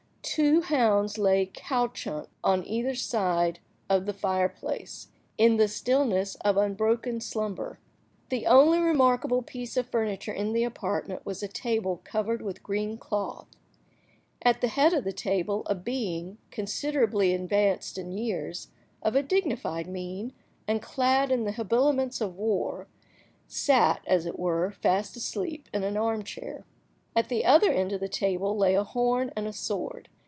Two hounds lay couchant on either side of the fire–place, in the stillness of unbroken slumber. The only remarkable piece of furniture in the apartment was a table covered with green cloth. At the head of the table, a being, considerably advanced in years, of a dignified mien, and clad in the habiliments of war, sat, as it were, fast asleep, in an arm–chair. At the other end of the table lay a horn and a sword.